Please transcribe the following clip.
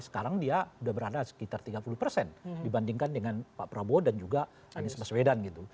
sekarang dia sudah berada sekitar tiga puluh persen dibandingkan dengan pak prabowo dan juga anies baswedan gitu